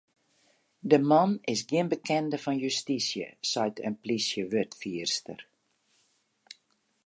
De man is gjin bekende fan justysje, seit in plysjewurdfierster.